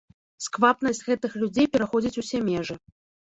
Сквапнасць гэтых людзей пераходзіць усе межы.